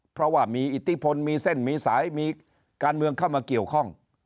เพราะว่ามีอิทธิพลมีเส้นมีสายมีการเมืองเข้ามาเกี่ยวข้อง